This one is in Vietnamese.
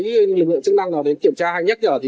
những lượng chức năng nào kiểm tra hay nhất nhỉ